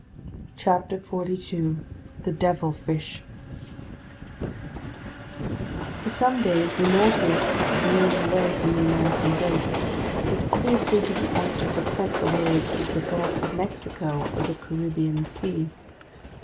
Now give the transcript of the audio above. CHAPTER 18 The Devilfish FOR SOME DAYS the Nautilus kept veering away from the American coast. It obviously didn't want to frequent the waves of the Gulf of Mexico or the Caribbean Sea.